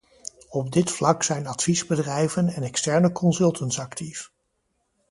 Op dit vlak zijn adviesbedrijven en externe consultants actief.